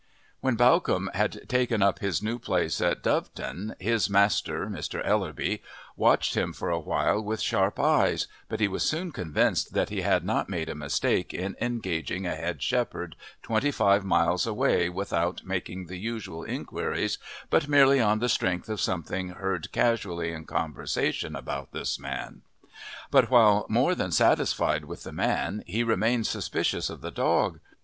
When Bawcombe had taken up his new place at Doveton, his master, Mr. Ellerby, watched him for a while with sharp eyes, but he was soon convinced that he had not made a mistake in engaging a head shepherd twenty five miles away without making the usual inquiries but merely on the strength of something heard casually in conversation about this man. But while more than satisfied with the man he remained suspicious of the dog.